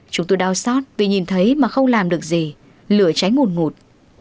chúng tôi đau xót vì nhìn thấy mà không làm được gì lửa cháy ngùn ngụt